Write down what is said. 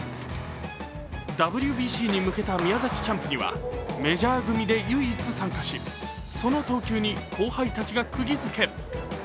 ＷＢＣに向けた宮崎キャンプにはメジャー組で唯一参加しその投球に後輩たちがくぎづけ。